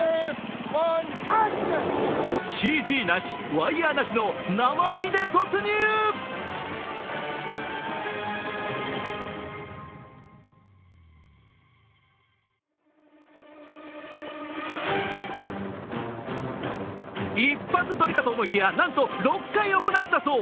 ＣＧなし、ワイヤーなしの生身で突入一発撮りかと思いきやなんと６回行ったそう。